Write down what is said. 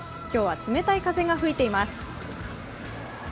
今日は冷たい風が吹いています。